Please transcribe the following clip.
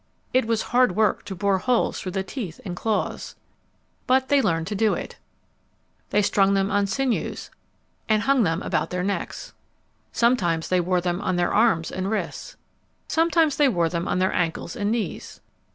It was hard work to bore holes through the teeth and claws. But they learned to do it. [Illustration: "They strung them about their necks"] They strung them on sinews and hung them about their necks. Sometimes they wore them on their arms and wrists. Sometimes they wore them on their ankles and knees.